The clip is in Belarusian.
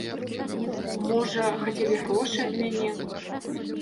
Можа, хацелі грошы ад мяне.